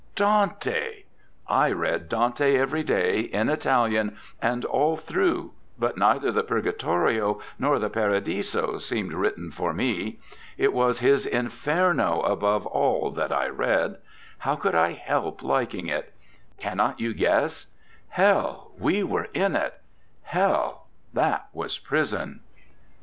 Dante. I read Dante every day, in Italian, and all through, but neither the Purgatorio nor the Paradiso seemed written for me. It was his Inferno above all that I read; how could I help liking it? Cannot you guess? Hell, we were in it Hell, that was prison!'